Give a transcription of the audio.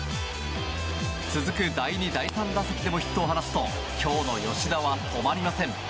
続く第２、第３打席でもヒットを放つと今日の吉田は止まりません！